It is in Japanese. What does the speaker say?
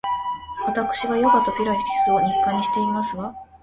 わたくしはヨガとピラティスを日課にしていますわ